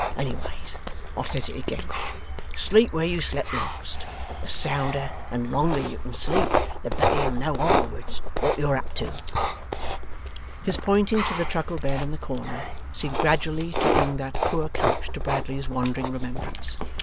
'Well! Anyways I says it again. Sleep where you slept last; the sounder and longer you can sleep, the better you'll know arterwards what you're up to.' His pointing to the truckle bed in the corner, seemed gradually to bring that poor couch to Bradley's wandering remembrance.